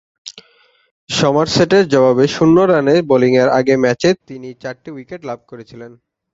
সমারসেটের জবাবে শূন্য রানে বোলিংয়ের আগে ম্যাচে তিনি চারটি উইকেট লাভ করেছিলেন।